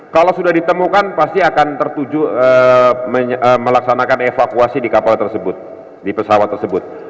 kalau sudah ditemukan pasti akan tertuju melaksanakan evakuasi di kapal tersebut di pesawat tersebut